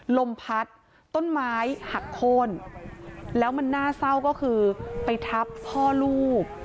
ลมพัดต้นไม้หักโค้นแล้วมันน่าเศร้าก็คือไปทับพ่อลูก